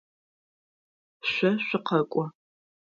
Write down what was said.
Шъо шъукъэкӏо.